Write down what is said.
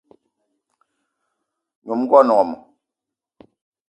Nyom ngón wmo